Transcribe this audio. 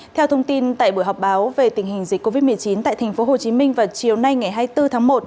theo thông tin tại buổi họp báo về tình hình dịch covid một mươi chín tại tp hcm vào chiều nay ngày hai mươi bốn tháng một